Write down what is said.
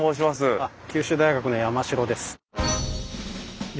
あっ九州大学の山城です。